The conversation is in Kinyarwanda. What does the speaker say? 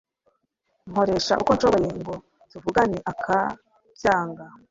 nkoresha uko nshoboye ngo tuvugane akabyanga